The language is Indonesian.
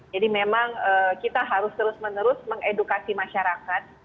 jadi memang kita harus terus menerus mengedukasi masyarakat